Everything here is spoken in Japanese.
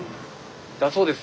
だそうです。